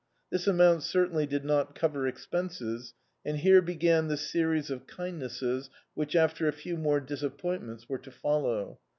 This amount certainly did not rover expenses, and here began the series of kindnesses which, after a few more disappointments, were to follow.